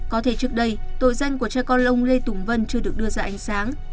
có thể trước đây tội danh của cha con ông lê tùng vân chưa được đưa ra ánh sáng